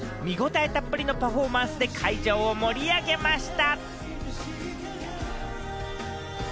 見応えたっぷりのパフォーマンスで会場を盛り上げました。